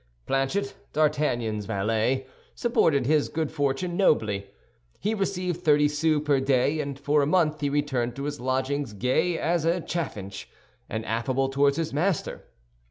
Planchet, D'Artagnan's valet, supported his good fortune nobly. He received thirty sous per day, and for a month he returned to his lodgings gay as a chaffinch, and affable toward his master.